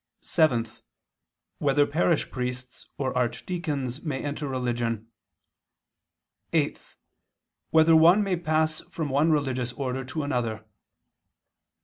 (7) Whether parish priests or archdeacons may enter religion? (8) Whether one may pass from one religious order to another?